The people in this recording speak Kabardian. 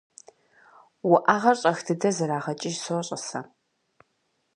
- Уӏэгъэр щӏэх дыдэ зэрагъэкӏыж сощӏэ сэ.